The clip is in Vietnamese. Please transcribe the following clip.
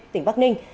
tỉnh bắc ninh